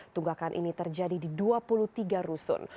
tunggakan ini terjadi di dua puluh tiga rusun